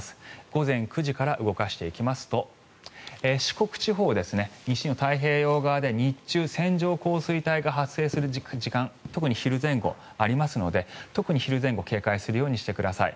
午前９時から動かしていきますと四国地方、西日本太平洋側で日中、線状降水帯が発生する時間特に昼前後にありますので特に昼前後警戒するようにしてください。